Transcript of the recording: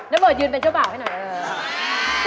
แล้วเบิดยืนเป็นเจ้าบ่าวให้หน่อย